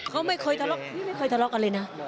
เขาไม่เคยทะเลาะกันเลยนะ